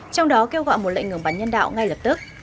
trong đó kêu gọi một lệnh ngừng bắn nhân đạo ngay lập tức